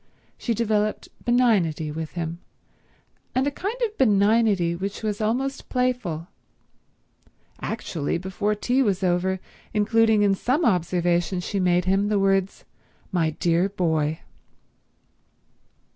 She developed benignity with him, and a kind of benignity which was almost playful—actually before tea was over including in some observation she made him the words "My dear boy."